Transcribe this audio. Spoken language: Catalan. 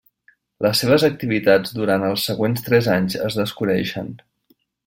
Les seves activitats durant els següents tres anys es desconeixen.